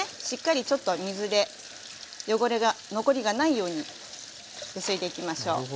しっかりちょっと水で汚れが残りがないようにゆすいでいきましょう。